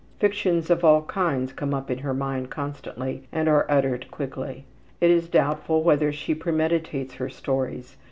Fictions of all kinds come up in her mind constantly and are uttered quickly. It is doubtful whether she premeditates her stories.